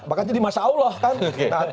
bahkan jadi masa allah kan